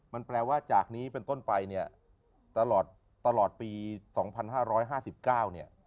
มันแปลว่าจากนี้เป็นต้นไปเนี่ยตลอดปี๒๕๕๙เนี่ย